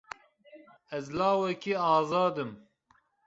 Ez lawekî azad im.